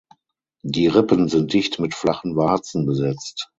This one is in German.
Die Rippen sind dicht mit flachen Warzen besetzt.